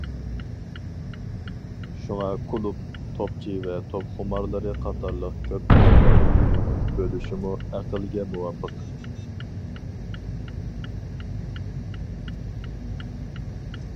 شۇڭا، كۇلۇب، توپچى ۋە توپخۇمارلىرى قاتارلىق كۆپ تەرەپلەرنىڭ كۆڭۈل بۆلۈشمۇ ئەقىلگە مۇۋاپىق.